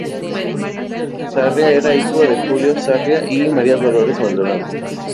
Sarria era hijo de Julio Sarria y María Dolores Maldonado.